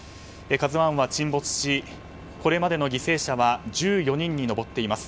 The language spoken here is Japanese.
「ＫＡＺＵ１」は沈没しこれまでの犠牲者は１４人に上っています。